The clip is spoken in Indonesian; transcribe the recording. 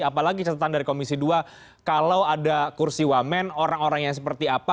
apalagi catatan dari komisi dua kalau ada kursi wamen orang orang yang seperti apa